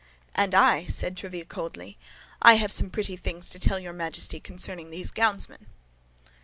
"And I," said Tréville, coldly, "I have some pretty things to tell your Majesty concerning these gownsmen."